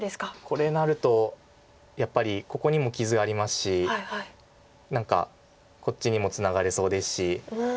これなるとやっぱりここにも傷ありますし何かこっちにもツナがれそうですし。